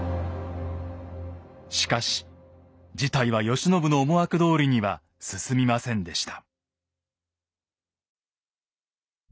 しかし事態は慶喜の思惑どおりには進みませんでした。